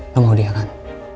lo mau dia kan